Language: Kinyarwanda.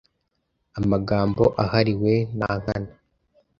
Amagambo ahariwe Nankana.